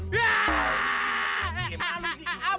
sini naik simpelan di sini